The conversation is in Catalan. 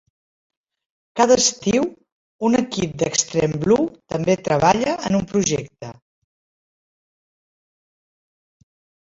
Cada estiu, un equip d'Extreme Blue també treballa en un projecte.